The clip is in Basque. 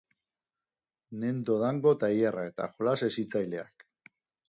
Nendo Dango tailerra eta jolas hezitzaileak.